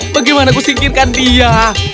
bagaimana aku singkirkan dia